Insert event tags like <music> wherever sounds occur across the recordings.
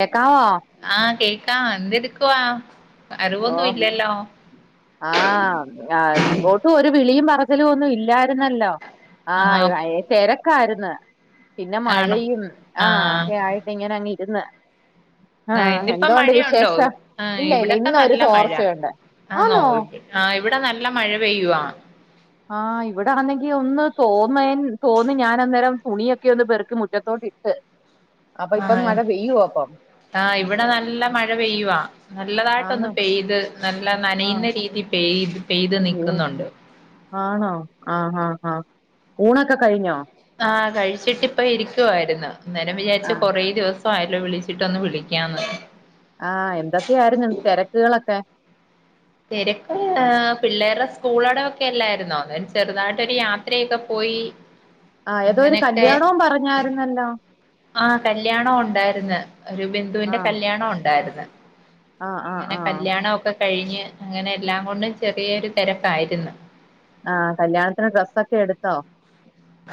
കേക്കാവോ ആഹ് കേക്കാം എന്തെടുക്കവാ ഓ അറിവൊന്നും ഇല്ലല്ലോ. ആഹ് ആ ഇങ്ങോട്ടും ഒരു വിളിയും പറച്ചിലും ഒന്നും ഇല്ലായിരുന്നല്ലോ. ആഹ് തിരക്കായിരുന്നു പിന്നെ ആണോ മഴയും ആ ആഹ് ഒക്കെ ആയിട്ട് ഇങ്ങനെ അങ്ങ് ഇരുന്ന്. ആഹ് ഇന്നിപ്പം എന്തോണ്ട് മഴയുണ്ടോ വിശേഷം ആഹ് ഇല്ല ഇല്ല ഇവിടൊക്കെ ഇന്ന ഒരു നല്ല മഴ തോർച്ചയുണ്ട്. ആന്നോ ആഹ് ഇവിടെ നല്ല മഴ പെയ്യുവാ ആഹ് ഇവിടാന്നെങ്കി ഒന്ന് തോന്നേ തോന്ന് ഞാൻ അന്നേരം തുണിയൊക്കെ ഒന്ന് പെറുക്കി മുറ്റത്തോട്ടിട്ട് അപ്പ ഇപ്പൊന്ന് ആഹ് മഴ പെയ്യുവൊ ആഹ് ഇവിടെ നല്ല മഴ പെയ്യുവാ നല്ലതായിട്ടൊന്ന് ആന്നോ പെയ്ത് നല്ല ആഹ് നനയുന്ന രീതി പെയ് പെയ്ത് അയ്യോ നിക്കുന്നുണ്ട് ആണോ ആഹ് ആഹ് ഹാ ഊണൊക്കെ കഴിഞ്ഞോ ആഹ് കഴിച്ചിട്ടിപ്പ ഇരിക്കുവായിരുന്നു അന്നേരം വിചാരിച്ച ആഹ് കൊറേ ദിവസം പായല്ലോ ഒന്ന് വിളിച്ചിട്ടൊന്ന് വിളിക്കാന്ന് ആഹ് എന്തൊക്കെയായിരുന്നു തെരക്കുകളൊക്കെ തെരക്ക് പിള്ളേരുടെ സ്കൂളട വ് ഒക്കെ അല്ലായിരുന്നോ അ ചെറുതായിട്ടൊരു യാത്രയൊക്കെ പോയി ആ ഏതോ ഒരു അങ്ങനെയൊക്കെ കല്യാണവും പറഞ്ഞായിരുന്നല്ലോ ആഹ് കല്യാണം ഉണ്ടായിര്ന്ന് ഒരു ബന്ധുവിന്റെ ആഹ് കല്യാണം ഉണ്ടായിര്ന്ന് ആഹ് ആഹ് ഇങ്ങനെ ആഹ് കല്യാണ ഒക്കെ കഴിഞ്ഞ് അങ്ങനെ എല്ലാം കൊണ്ടും ചെറിയൊരു തെരക്കായിരുന്നു ആഹ് കല്യാണത്തിന് ഡ്രസ്സൊക്കെ എടുത്തോ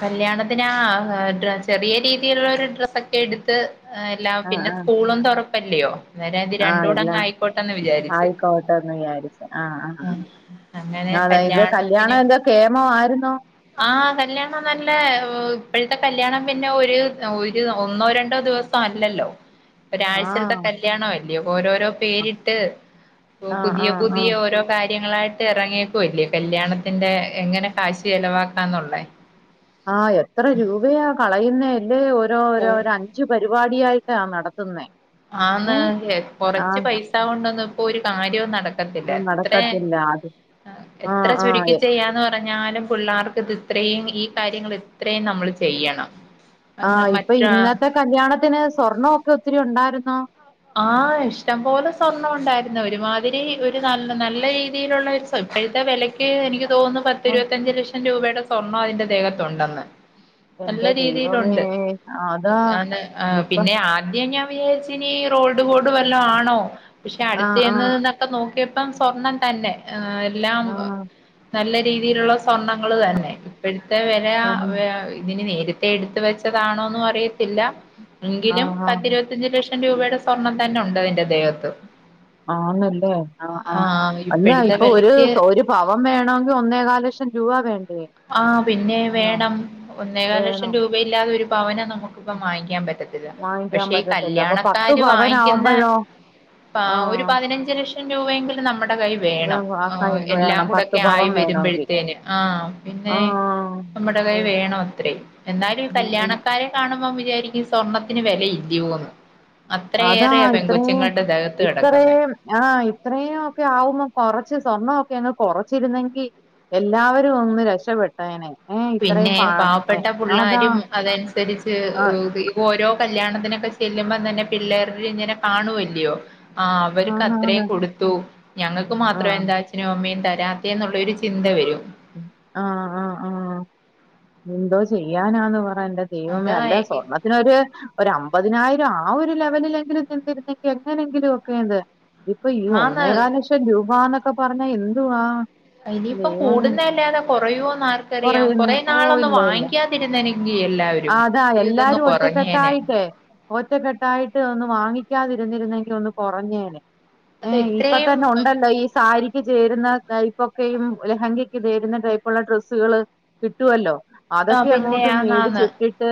കല്യാണത്തിന് ആഹ് ചെറിയ രീതിയിലുള്ള ഒരു ഡ്രസ്സൊക്കെ എടുത്ത് അ എല്ലാം ആഹ് പിന്നെ ആഹ് സ്കൂളും തുറപ്പല്ലയോ അന്നേരം ഇത് ആഹ് രണ്ടൂടങ്ങ് എല്ലാം ആയിക്കോട്ടെന്ന് വിചാരിച്ച് ആയിക്കോട്ടന്ന വിചാരിച്ച ആഹ് ആ അങ്ങനെ അതായത് കല്യാണം കല്യാണത്തിനും എന്താ കേമം ആയിരുന്നോ ആഹ് കല്യാണം നല്ല ഇപ്പോഴത്തെ കല്യാണം പിന്നെ ഒരു ഒരു ഒന്നോ രണ്ടോ ദിവസം അല്ലല്ലോ ഒരാഴ്ചത്തെ ആഹ് കല്യാണവല്ലെയോ ഓരോരോ പേരിട്ട് ആഹ് പുതിയ ആഹ് പുതിയ ആഹ് ഓരോ കാര്യങ്ങളായിട്ട് ഇറങ്ങിയേക്കുവല്ലെയോ കല്യാണത്തിന്റെ എങ്ങനെ കാശ് ചെലവാക്കാന്നുള്ളേ ആ എത്ര രൂപയാ കളയുന്നെല്ലേ ഓരോ ഓ ഓരോ അ അഞ്ച് പരിപാടിയായിട്ടാ നടത്തുന്നത് ആന്ന് കൊറച്ച് പൈസ കൊണ്ടൊന്നും ഇപ്പൊ ഒരു കാര്യവും നടക്കത്തില്ല എത്ര ഇല്ല അത് എത്ര ആഹ് ചുരുക്കി ആഹ് ചെയ്യാന്ന് പറഞ്ഞ പറഞ്ഞാലും പിള്ളേർക്ക് ഇത് ഇത്രയും ഈ കാര്യങ്ങൾ ഇത്രയും നമ്മൾ ചെയ്യണം അത് ആഹ് ഇപ്പൊ മറ്റ ഇന്നത്തെ കല്യാണത്തിന് സ്വർണൊക്കെ ഒത്തിരി ഉണ്ടായിരുന്നോ ആഹ് ഇഷ്ടം പോലെ സ്വർണം ഉണ്ടായിരുന്നു ഒരുമാതിരി ഒരു നല്ല നല്ല രീതിയിലുള്ള ഇപ്പഴത്തെ വെലയ്ക്ക് എനിക്ക് തോന്നുന്നു ഓഹ് പത്തിരുപത്തഞ്ച് ലക്ഷം രൂപയുടെ സ്വർണ്ണം അതിന്റെ ദേഹത്തുണ്ടെന്ന് നല്ല എന്റെ ദൈവമേ രീതിയിലുണ്ട് അതാ അ ഇപ്പൊ പിന്നെ ആദ്യം ഞാൻ വിചാരിച്ച് ഇനി റോൾഡ് ഗോൾഡ് വല്ലോ ആണോ പക്ഷെ അടുത്ത് ആഹ് ചെന്ന് ആഹ് നിന്നപ്പോ നോക്കിയപ്പം സ്വർണം തന്നെ എല്ലാം ആഹ് നല്ല രീതിയിലുള്ള സ്വർണ്ണങ്ങള് തന്നെ ഇപ്പോഴത്തെ വെല തന്നെ ഇതിന് നേര ത്തെ എടുത്തു വെച്ചതാണോന്നും അറിയത്തില്ല എങ്കിലും ആഹ് ആഹ് പത്തിരുപത്തിയഞ്ച് ലക്ഷം രൂപയുടെ സ്വർണം തന്നെ ഉണ്ട് അതിന്റെ ദേഹത്ത് ആന്നല്ലേ ആ ആഹ് അല്ല ഇപ്പോഴത്തെ ഇപ്പൊ ഒരു വിലക്ക് ഒരു പവൻ വേണോങ്കി ഒന്നേകാല് ലക്ഷം രൂപ വേണ്ടേ ആ പിന്നെ ആഹ് വേണം ഒന്നേകാല് ലക്ഷം വേണം രൂപയില്ലാതെ ഒരു പവന് നമുക്കിപ്പം വാങ്ങിക്കാൻ പറ്റത്തി വാങ്ങിക്കാൻ പക്ഷേ ഈ പറ്റത്തില്ല അപ്പൊ പത്ത് കല്യാണക്കാര് പവൻ വാങ്ങിക്കുന്ന ആവുമ്പോഴോ ഒരു ആഹ് പതിനഞ്ച് ലക്ഷം രൂപയെങ്കിലും നമ്മുടെ കൈ വേണം എല്ലാം വേണം പത്ത് കൂടെയൊക്കെ പവൻ ആയി വേണമെങ്കിൽ വരുമ്പോഴത്തേന് ആഹ് ന്നെ ആഹ് നമ്മടെ കയ് വേണം അത്രയും എന്നാലും ഉം കല്യാണ ഉം കാ രെ കാണുമ്പോ വിചാരിക്കും സ്വർണത്തിന് വില ഇല്ലയൊന്ന് അതാ അത്രയേറെയ പെൺകൊച്ചുങ്ങളുടെ ദേഹത്ത് കെടക്കുന്ന ആഹ് ഇത്രയും ഒക്കെ ആവുമ്പോ കൊറച്ച് സ്വർണ്ണൊക്കെ അങ്ങ് കൊറച്ചിരുന്നെങ്കി എല്ലാവരും ഒന്ന് രക്ഷപ്പെട്ടേനെ ഏ ഇത്രയും പിന്നെ പ പാവപ്പെട്ട അതാ പുള്ളാരും അതനുസരിച്ച് ആ ഓരോ കല്യാണത്തിനൊക്കെ ചെല്ലുമ്പ തന്നെ പിള്ളേർ ഇങ്ങനെ കാണുവല്ലയോ ആഹ് അവർക്ക് ആന്ന് അത്രയും ആന്ന് കൊടുത്തു ഞങ്ങൾക്ക് ആ മാത്രം എന്താ പിന്നെ ഹോമിയും തരാപ്പിയെന്നുള്ളൊരു ചിന്ത വരും ആഹ് ആഹ് ആഹ് എന്തോ ചെയ്യാനാന്ന് പറ എന്റെ ദൈവമേ അല്ല അതാ സ്വർണ്ണത്തിനൊരു ഒരു അമ്പതിനായിരം ആ ഒരു ലെവലിലെങ്കിലും നിന്നിരുന്നെങ്കിൽ എങ്ങനെങ്കിലും ഒക്കെയത് ഇപ്പൊ ഈ ആന്ന് ഒന്നേകാൽ ലക്ഷം രൂപാന്നൊക്കെ പറഞ്ഞാ എന്തുവാ ഇനിയിപ്പം ദൈവമേ കൂടുന്നതല്ലാതെ കുറയോന്ന് ആർക്കറിയാം കൊറയുന്നു കുറേ ഓ നാള് ഒന്ന് ഇല്ല ഇല്ല വാങ്ങിക്കാ തിരുന്നെനെങ്കി ആ, എല്ലാവരും അതാ ഇതൊന്ന് എല്ലാരും കൊറഞ്ഞേനെ ഒറ്റക്കെട്ടായിട്ടേ ഒറ്റക്കെട്ടായിട്ട് ഒന്ന് വാങ്ങിക്കാതിരുന്നിരുന്നെങ്കിൽ ഒന്ന് കൊറഞ്ഞേനെ മ് അത് ഇപ്പൊ ഇത്രയും തന്നെ ഉണ്ടല്ലോ ഈ സാരി ക്ക് ചേരുന്ന ടൈപ്പൊക്കെയും ലെഹങ്കക്ക് ചേരുന്ന ടൈപ്പുള്ള ഡ്രസ്സുകള് കിട്ടുവല്ലോ അതൊക്കെ പിന്നെ അങ്ങോട്ട് മേടിച്ചി ആന്നാന്ന് ട്ടിട്ട്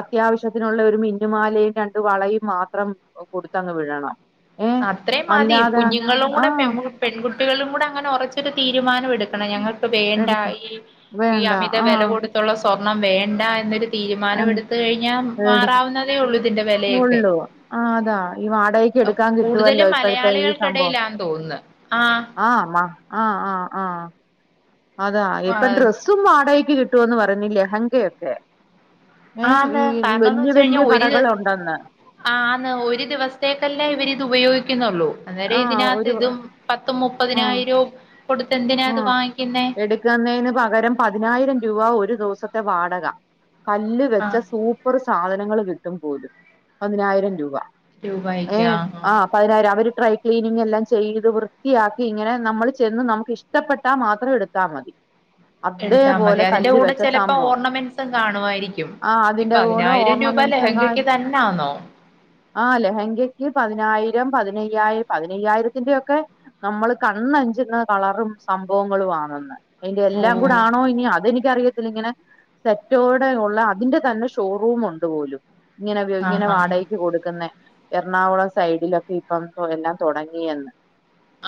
അത്യാവശ്യത്തിനുള്ള ഒരു മിന്നുമാലയും രണ്ട് വളയും മാത്രം കൊടുത്തങ് വിടണം ഏഹ് അത്രയും മതി അല്ലാതെ കുഞ്ഞുങ്ങളും കൂടെ ആഹ് പെൺപു പെൺകുട്ടികളും കൂടെ അങ്ങനെ ഒറച്ചൊരു തീരുമാനം എടു ക്കണം ഞങ്ങൾക്ക് വേണ്ട എടുക്ക ഈ ഈ വേണ്ട അമിത വെല ആഹ് കൊടുത്തുള്ള സ്വർണം വേണ്ട എന്നൊരു എ തീരുമാനം എടുത്ത് കഴിഞ്ഞാ എടു മാറാവുന്നതേ ഉള്ളൂ ഇതിന്റെ വിലയൊക്കെ എടുക്കാങ്കി കൂടുതലും മലയാളികൾക്കിടയിലാന്ന് തോനുന്ന് ആ ആഹ് മ ആഹ് ആഹ് ആഹ് അതാ ഇപ്പൊ ഡ്രസ്സും വാടകക്ക് കിട്ടുവന്ന് പറഞ് ലഹങ്കയൊക്കെ ഏഹ് ആന്ന് ഈ കാരണംന്ന് വല്യ വെച്ച് കഴിഞ്ഞാ വല്യ ഒരു കടകൾ ഒണ്ടെന്ന് ആന്ന് ഒരു ദിവസത്തേക്കല്ലേ ഇവരിത് ഉപയോഗിക്കുന്നൊള്ളൂ ആ അന്നേരം ഒരു ഇതിനകത്ത് ഇതും പത്തും ആ മുപ്പതിനായിരോം കൊടുത്ത് എന്തിനത് വാങ്ങിക്കുന്നേ ക്ക്‌ന്നേനു പകരം പതിനായിരം രൂപ ഒരു ദിവസത്തെ വാടക കല്ല് വെച്ച ആഹ് സൂപ് പ്പർ സാധനങ്ങൾ കിട്ടും പോലും പതിനായിരം രൂപ ഏഹ് ആഹ് പതിനായിരം അവര് ട്രൈ ക്ലീനിങ്ങ് എല്ലാം ചെയ്ത് വൃത്തിയാക്കി ഇങ്ങനെ നമ്മൾ ചെന്ന് നമുക്ക് ഇഷ് ഷ്ടപ്പെട്ടാ മാത്രം എടുത്താ മതി എടുത്താ മതി അതേപോലെ അതിന്റെ കല്ല് കൂടെ വെച്ച ചെലപ്പോ സംഭവം ഓർണമെന്റ്സും കാണുമായിരിക്കും ആഹ് ഈ അതിന്റെ കൂടെ പതിനായിരം രൂപ ഓർണമെന്റ്സും കാ ലഹങ്കക്ക് തന്നാന്നോ ആഹ് ലഹങ്കയ്ക്ക് പതിനായിരം പതിനയ്യായിരം പതിനയ്യായിരത്തിന്റെ ഒക്കെ നമ്മള് കാണ്ണഞ്ചുന്ന കളറും സംഭവങ്ങളും ആന്നെന്ന് അതിന്റെ എല്ലാം ഓഹ് കൂടെ ആണോ ഇനി അതെനിക്കറിയ ത്തിലിങ്ങനെ സെറ്റോടെ ഒള്ള അതിന്റെ തന്നെ ഷോറൂം ഒണ്ട് പോലും ഇങ്ങനെ ആഹ് ഇങ്ങനെ ആഹ് വാടകക്ക് കൊടുക്കുന്ന എറണാകുളം സൈഡിലൊക്കെ ഇപ്പം എല്ലാം തുടങ്ങിയന്ന്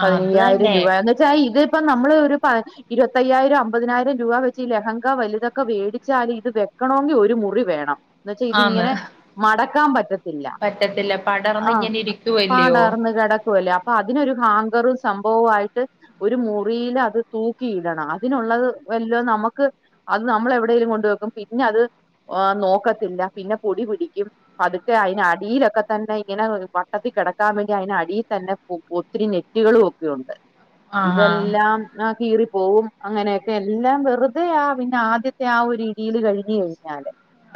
ആഹ് അത് പതിനയ്യായിരം തന്നെ രൂപന്ന് ച്ചാ ഇതിപ്പ നമ്മള് ഒരു പ ഇരുപത്തയ്യായിരം അമ്പതിനായിരം രൂപ വെച്ച് ഈ ലെഹങ്ക വലുതൊക്കെ വേടിച്ചാല് ഇത് വെക്കണോങ്കി ഒരു മുറി വേണം എന്ന് വെച്ചാ ഇത് ആന്ന് ഇങ്ങനെ മടക്കാൻ പറ്റ ത്തില്ല പറ്റത്തില്ല പടർന്ന് ആഹ് ഇങ്ങനെ ഇരിക്കുവല്ലയോ പാടർന്ന് കെടക്കുവല്ലേ അപ്പൊ അതിനൊരു ഹാങ്കറും സംഭവവും ആയിട്ട് ഒരു മൂ റിയിൽ അത് തൂക്കിയിടണം അതിനുള്ളത് വല്ലോ നമുക്ക് അത് നമ്മൾ എവിടേലും കൊണ്ട് വെക്കും പിന്നെ അത് നോക്കത്തില്ല പിന്നെ പൊടി പിടിക്കും പതുക്കെ അതിന് അടിയിലൊക്കെ തന്നെ ഇങ്ങനെ വട്ടത്തിൽ കിടക്കാൻ വേണ്ടി അയിതിനടിയിൽ തന്നെ ഒത്തിരി നെ കുട്ടികളും ഒക്കെ ഒണ്ട് ഇതെല് ആഹ് ആഹ് കീറി പോവും അങ്ങനെയൊക്കെ എല്ലാം വെറുതെയാ പിന്നെ ആദ്യത്തെ ആ ഒരു കീല് കഴിഞ്ഞ് കഴിഞ്ഞാല്.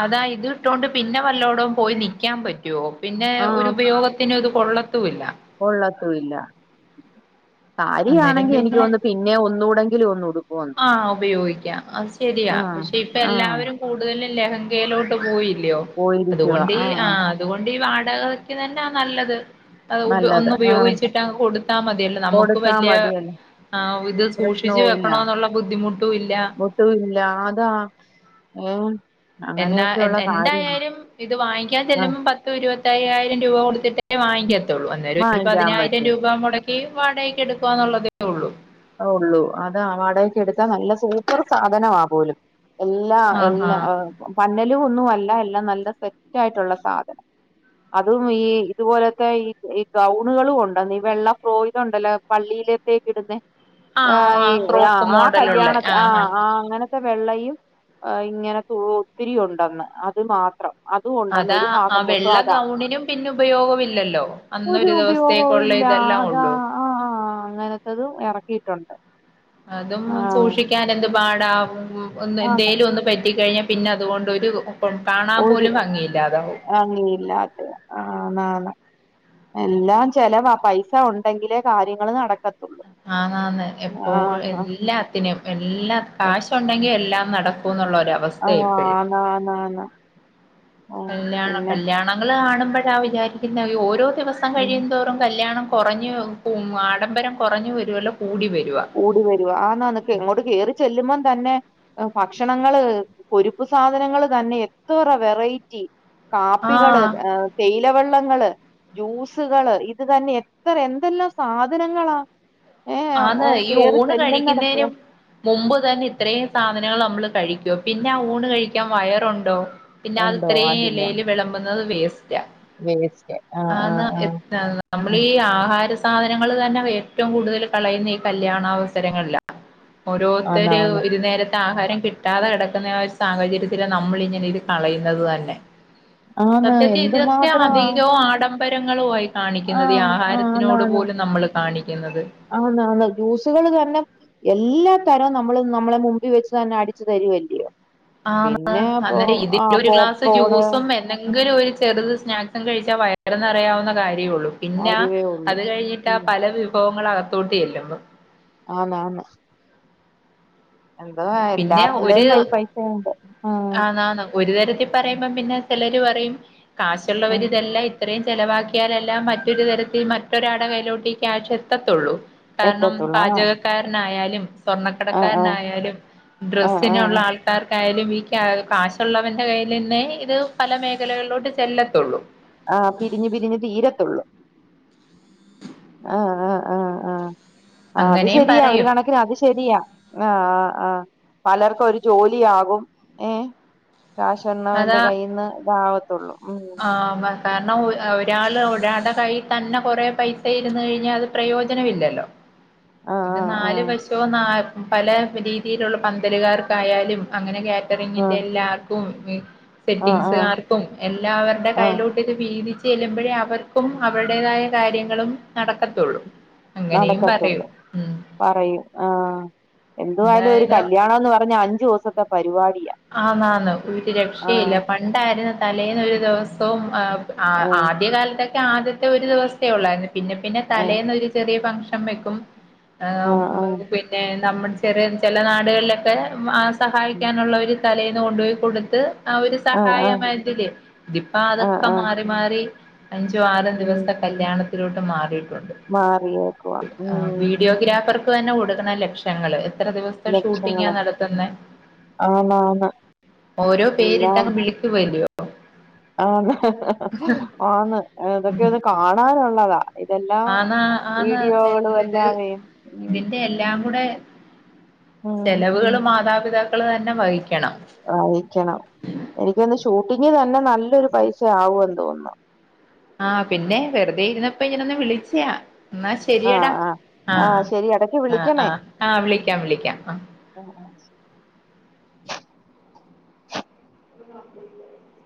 അതാ ഇതു ഇട്ടോണ്ട് പിന്നെ വല്ലോടം പോയി നിൽക്കാൻ പറ്റുവോ? പിന്നെ ആ ഒരു ഉപയോഗ പിന്നെ അത് കൊള്ളത്തു ഇല്ല. കൊള്ളത്തു ഇല്ല. അന്നേരം സാരിയാണെങ്കി എനിക്ക് പിന്നെ തോന്നുന്നു പിന്നെ ഒന്നൂടെങ്കിലും ഒന്നുടു ആഹ് ഉപയോഗിക്കാം അത് ശെരിയാ. ആ, പക്ഷെ ഇപ്പ ആ. എല്ലാവരും കൂടുതലും ലഹങ്കയിലോട്ട് പോയില്ല്യോ. പോയിരിക്കുവാ. അതുകൊണ്ടീ ആ, ആ. ആഹ് അതുകൊണ്ട് ഈ വാടകക്ക് തന്നാ നല്ലത്. അത് ഉപ നല്ലത്. ഒന്ന് ആ, ഉപയോഗിച്ചിട്ട് അങ്ങ് കൊടുത്താ മതിയല്ലോ. നമുക്ക് കൊടുത്താ വല്ല്യ മതിയല്ലോ. ആഹ് ഇത് സൂക്ഷിച്ചു പ്രശ്നവും വെക്കണോന്നുള്ള ബുദ്ധിമുട്ടും ഇല്ല. ട്ടൂല്ല ആതാ. ഏഹ്? എന്നാ എൻ എന്തായാലും ഇത് വാങ്ങിക്കാൻ ആ, ചെല്ലുമ്പോ പ ത്ത് ഇരുവത്തയ്യായിരം രൂപ കൊടുത്തിട്ടേ വാങ്ങിക്കത്തുള്ളൂ. അന്നേരം ഒരു വാങ്ങിക്കാൻ പതിനായിരം പറ്റും. രൂപ മൊട ഈ വാടകക്ക് എടുക്കുകാന്നുള്ളതേ ഉള്ളൂ. ഒള്ളൂ. അതാ വാടകക്ക് എടുത്താ നല്ല സൂപ്പർ സാധനവാ പോലും. എല്ലാ എല്ലാ ആഹ് പന്നലും ഒന്നും അല്ല. എല്ലാം നല്ല സെറ്റ് ആയിട്ടുള്ള സാധനം. അതും ഈ ഇതുപോലത്തെ ഈ ഈ ഗൗണുകളും ഉണ്ടെന്ന്. ഈ വെള്ള ഫ്രോയിഡ് ഉണ്ടല്ലോ. പള്ളിയിലത്തേക്ക് ഇടുന്നെ. ആഹ് ഈ ആഹ് ആഹ് കല്യാണത്ത് ആഹ് ആഹ് അങ്ങനെ. ത്തെ വെള്ളയും ഇങ്ങനത്തെ ഒത്തിരി ഉണ്ടെന്ന്. അത് മാത്രം. അതും ഉണ്ടെന്ന് അതാ, ഒരു ആ ഭാഗം മൊത്തം വെള്ള അതാ ഗൗണിനും പിന്നെ ഉപയോഗമില്ലല്ലോ, ഒരു അന്നൊരു ഉപയോഗവും ദിവസത്തേക്കുള്ള ഇല്ല ആഹ് ഇതെല്ലാം അതാ ഉള്ളൂ ആഹ് ആഹ്. അങ്ങനത്തതും എറക്കിയിട്ടുണ്ട്. അതും സൂക്ഷിക്കാൻ എന്ത് പാടാ. ആന്ന് എന്തേലും ഒന്ന് പറ്റിക്കഴിഞ്ഞാ പിന്നെ അതുകൊണ്ട് ഒരു, കാണാൻ പോലും ഭംഗിയില്ലാതാവും. ങ്ങിയില്ലാതെ ആഹ് ആന്നാന്ന്. എല്ലാം ചെലവാ. പൈസ ഉണ്ടെങ്കിലേ കാര്യങ്ങൾ നടക്കത് ആഹ് ആന്ന്. എപ്പോഴു എല്ലാ ത്തിനും എല്ലാ ആഹ് കാശ് ഉണ്ടെങ്കി എല്ലാം നടക്കൂന്നുള്ളൊരു അവസ് ആഹ്. ആന്ന് ആന്ന് ആന്ന്. ഉം കല്യാണം. പിന്നെ കല്ല്യാണങ്ങള് കാണുമ്പഴാ വിചാരിക്കുന്നേ അയ്യോ ഓരോ ദിവസം ഉം കഴിയുന്തോറും കല്യാണം കൊറഞ്ഞ്, ആഡംബരം കുറഞ്ഞ് വരുവല്ല കൂടി വരുവാ. കൂടി വരുവാ. ആന്നാന്ന് അങ്ങോട്ട് കേറി ചെല്ലുമ്പം തന്നെ ഭക്ഷണങ്ങള്, പൊരുപ്പ് സാധനങ്ങള് തന്നെ എത്തറ വെറൈറ്റി കാപ്പികള്, ആഹ് ഏഹ് തേയില വെള്ളങ്ങള് ജ്യൂസുകള് ഇത് തന്നെ എത്ര എന്തെല്ലാം സാധനങ്ങളാ. ഏഹ് ആന്ന്. ഓഹ് ഈ കേറി ഊണ് ചെല്ലുന്നിടത്ത് കഴിക്കുന്നേനും. മുമ്പ് തന്നെ ഇത്രയും സാധനങ്ങൾ നമ്മള് കഴിക്കോ. പിന്നെ ആ ഊണ് കഴിക്കാൻ വയറുണ്ടോ? പിന്നെ അത് ഉണ്ടോ ഇത്രയും അതില്ല എലയിൽ വെളമ്പുന്നത് വേസ്റ്റാ. വേസ്റ്റ് ആഹ് ആഹ് ആന്നാ ആഹ് <inaudible> ആഹ് നമ്മളീ ആഹാര സാധനങ്ങള് തന്നെ ഏറ്റവും കൂടുതൽ കളയുന്നെ ഈ കല്യാണ അവസരങ്ങളിലാ. ആന്ന് ഓരോരുത്തര് ആന്ന് ഒരു നേര ആഹാരം കിട്ടാതെ കെടക്കുന്ന ആ ഒരു സാഹചര്യത്തിലാ നമ്മളിങ്ങനെ ഇത് കളയുന്നത് തന്നെ. ആന്ന് സത്യത്തി ഇതൊക്കെ എന്തുമാത്രം അധികവും ആഡംബരങ്ങളുവാ ഈ കാണിക്കുന്നത് ഈ ആഹ് ആഹാരത്തിനോട് പോലും നമ്മൾ കാണിക്കുന്നത്. ആണ് ആണ്. ജ്യൂസുകള് തന്നെ എല്ലാ തരവും നമ്മള് നമ്മളെ മുമ്പിൽ വെച്ച് തന്നെ അടിച്ചു തരുവല്ലിയോ. ആന്ന്. അന്നേരം ഇതില് ഒരു ഗ്ലാസ് പോപ്കോണ് ജ്യൂസും എന്തെങ്കിലും ഒരു ചെറുത് സ്നാക്സും കഴിച്ചാ വയറ് നെറയാവുന്ന കാര്യേ ഉള്ളൂ. പിന്നാ അരിവേ ഉള്ളു അത് കഴിഞ്ഞിട്ടാ ഉം പല വിഭവങ്ങൾ അകത്തോട്ട് ചെല്ലുമ്പൊ. ആന്ന് ആന്ന്. എന്തോ പിന്നെ ഒരു എല്ലാരുടെയും കയ്യ് പൈസയുണ്ട് ഉം. ആന്നാന്ന് ഒരു തരത്തി പറയുമ്പം പിന്നെ ചെലര് പറയും ഉം കാശുള്ളവരിതെല്ലാ ത്രം ചെലവാക്കിയാലേ എല്ലാം മറ്റൊരു തരത്തിൽ മറ്റൊരാടെ കയ്യിലോട്ട് ഈ ക്യാഷ് എത്തത്തുള്ളൂ. കാര്ണം എത്തത്തുള്ളൂ പാചകക്കാരനായാലും ആഹ് ആഹ് സ്വർണക്കടക്കാരനായാലും. ആഹ് ആഹ് ഡ്രസ്സിനുള്ള ആഹ് ആൾ. ക്കാർക്കായാലും ഈ ക്യാ കാശുള്ളവന്റെ കയ്യിൽന്നെ ഇത് പല മേഖലകളിലോട്ട് ചെല്ലത്തുള്ളൂ. ആ പിരിഞ്ഞു പിരിഞ്ഞ് തീരത്തുള്ളു. <inaudible> ആഹ ആഹ് ആഹ് ആഹ അത് അങ്ങനെയും ശെരിയാ ഒരു പറയും കണക്കിന് അത് ശെരിയാ. ആ ആ ആ പലർക്കും ഒരു ജോലിയാകും ഏ. കാശ്ന്നവന്റെ കയ്യിന്ന് ഇതാവത്തുള്ളൂ ഉ ആ കാരണം ഒരാള് ഒരാളുടെ കയ്യി തന്നെ കൊറെേ പൈസ ഇരുന്നു കയ്ഞ്ഞാൽ അത് പ്രയോജനമില്ലല്ലോ. ആഹ് ഇത് ആഹ് നാല് വശോ ന പല രീതിയിലുള്ള പന്തല്കാർക്കായാലും അങ്ങനെ. ക റ്ററിംഗിൻ്റെ ആഹ് എല്ലാർക്കും ആഹ് ആഹ് സെറ്റിങ്സ് ആഹ് കാർക്കും എല്ലാവരുടെ ആഹ് കയ്യിലോട്ട്ത് വിതിച് ചെല്ലുമ്പോഴേ അവർക്കും അവരുടേതായ കാര്യങ്ങളും നടക്കത്തുള്ളൂ. അങ്ങനെയും പറയും നടക്കത്തുള്ളൂ ഉം പറയൂ ആ എന്ത് ആയാലും ഒരു എന്തായാലും കല്ല്യാ ണംന്ന് പറഞ്ഞ അഞ്ചുസത്തെ പരിപാടിയാ. ആന്ന് ആന്ന് വീട്ട് രക്ഷീല്ല ആഹ് പണ്ടായിര്ന്നു തലേന്ന് ഒരുസം പ്പം ആഹ് ആദ്യ കാലത്തൊക്കെ ആദ്യത്തെ ഒരു ദിവസേ ഒള്ളായിര്ന്ന് പിന്നെ പിന്നെ ആഹ് തലേന്ന് ഒരു ചെറിയ ഫംഗക്ഷൻ വെക്കും ആഹ് ആഹ് പി നമ്മ <unintelligible> ചെറിയ ചെല നാടുകളിലൊക്കെ ആ സഹായിക്കാനുള്ള ഒര് തലേന്ന് കൊണ്ട്പോയി കൊട്ത്ത് ആ ഒര് ആഹ് ആഹ് സഹായമതില് ദിപ്പോ ആഹ് അതൊക്കെ ആഹ് മാറി മാറി അഞ്ചോ ആറും ഉം ദിവസൊക്കെ. കല്യാണത്തിലോട്ട് മാറിയിട്ടുണ്ട് മാറിയേക്കുവാ ഉം വീഡിയോഗ്രാഫർ തന്നെ കൊടുക്കണം ലക്ഷങ്ങള് എത്ര ദേവസം ഷൂട്ടിംഗാ നടത്തുന്നേ ആന്ന ആന്ന ഓരോ പേരിട്ടങ്ങ് വിളിക്ക് <unintelligible> ആ ആന്ന് അതൊക്കെ ഒന്ന് കാണാനുള്ളതാ ഇതെല്ലാം ആന്നാ ആന്ന വീഡിയോകളും നല്ലത് എല്ലാവേ ഉം ഇതിന്റെ എല്ലാം കൂടെ ഉം ചെലവുകള് മാതാപിതാക്കള് തന്നെ വഹിക്കണം. വാഹിക്കണം എനിക്കൊന്ന് ഷൂട്ടിംഗ് തന്നെ നല്ലൊരു പൈസ ആവോന്ന് തോന്നുന്നു. ആ പിന്നെ വെറുതെ ഇരുന്നപ്പ ഇങ്ങനൊന്ന് വിളിച്ചാ. ന്നാ ശരിയടാ ആഹ് ആഹ് ആഹ ആഹ് ശരി ഇടക്ക് ആ ആ് വിളിക്കണേ ആഹ വിളിക്കാം വിളിക്കാം ആ. ഉ ആ <inaudible> <inaudible>